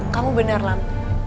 kamu benar lang